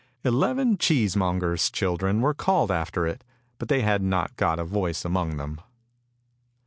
Eleven cheesemongers' children were called after it, but they had not got a voice among them.